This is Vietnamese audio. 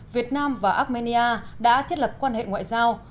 việt nam và armenia đã thiết lập quan hệ ngoại giao